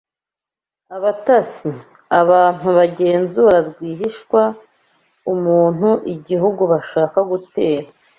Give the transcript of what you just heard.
Abatasi: abantu bagenzura rwihishwa umuntuigihugu bashaka gutera